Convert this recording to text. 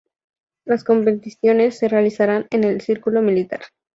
Las competiciones se realizarán en el Círculo Militar.